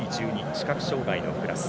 視覚障がいのクラス。